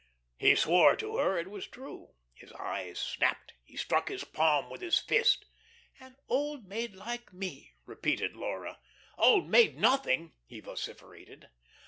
He swore to her it was true. His eyes snapped. He struck his palm with his fist. "An old maid like me?" repeated Laura. "Old maid nothing!" he vociferated.